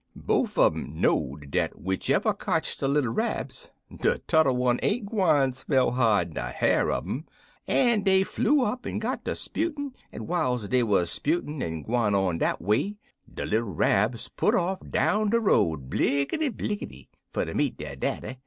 "Bofe un um know'd dat whichever cotch de little Rabs, de tudder one ain't gwine smell hide ner hair un um, en dey flew up en got ter 'sputin', en whiles dey wuz 'sputin', en gwine on dat way, de little Rabs put off down de road blickety blickety, fer ter meet der daddy.